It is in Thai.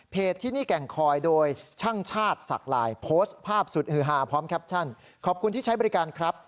ที่นี่แก่งคอยโดยช่างชาติศักดิ์ลายโพสต์ภาพสุดฮือฮาพร้อมแคปชั่นขอบคุณที่ใช้บริการครับ